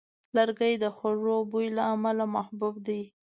لرګی د خوږ بوی له امله محبوب دی.